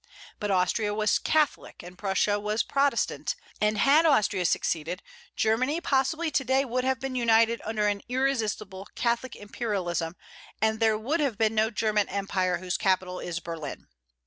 But Austria was Catholic and Prussia was Protestant; and had Austria succeeded, Germany possibly to day would have been united under an irresistible Catholic imperialism, and there would have been no German empire whose capital is Berlin.